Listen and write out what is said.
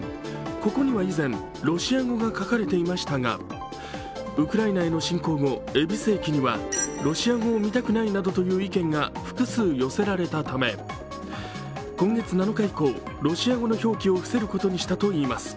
ここには以前、ロシア語が書かれていましたがウクライナへの侵攻後、恵比寿駅にはロシア語を見たくないなどの意見が複数寄せられたため、今月７日以降、ロシア語の表記を伏せることにしたといいます。